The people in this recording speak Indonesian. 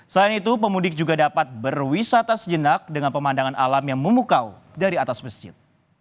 selain itu pemudik juga dapat berwisata sejenak dengan pemandangan alam yang memukau dari atas masjid